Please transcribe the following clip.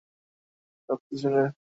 আর ওর চোখ দেখেই বুঝেছি, সে মা ভক্ত ছেলে।